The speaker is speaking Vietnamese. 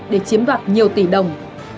để chiếm đoạt nhiều tỷ đồng